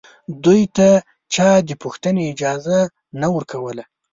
دوی ته چا د پوښتنې اجازه نه ورکوله